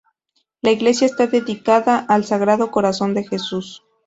La iglesia está dedicada al Sagrado Corazón de Jesús.